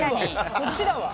こっちだわ！